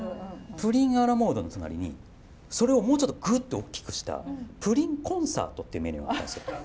プリンアラモードの隣にそれをもうちょっとグッておっきくしたプリンコンサートっていうメニューがあったんですよ。